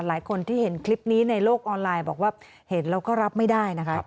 หลายคนที่เห็นคลิปนี้ในโลกออนไลน์บอกว่าเห็นแล้วก็รับไม่ได้นะคะ